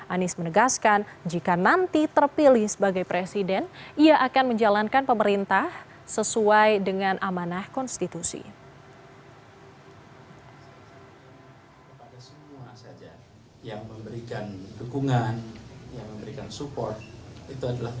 anies menegaskan jika nanti terpilih sebagai presiden ia akan menjalankan pemerintah sesuai dengan amanah konstitusi